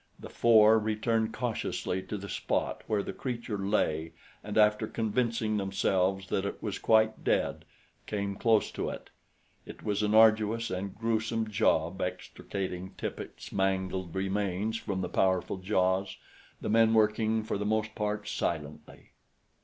The four returned cautiously to the spot where the creature lay and after convincing themselves that it was quite dead, came close to it. It was an arduous and gruesome job extricating Tippet's mangled remains from the powerful jaws, the men working for the most part silently.